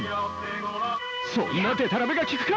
そんなでたらめが効くか！